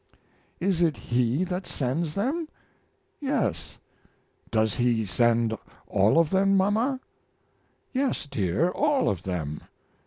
"Is it He that sends them?" "Yes." "Does He send all of them, mama?" "Yes, dear, all of them.